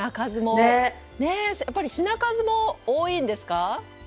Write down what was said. やっぱり品数も多いんですか？